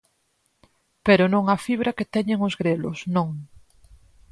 Pero non a fibra que teñen os grelos, non.